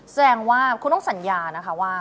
แสดงว่าคุณต้องสัญญานะคะว่า